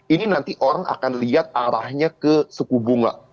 ini nanti orang akan lihat arahnya ke suku bunga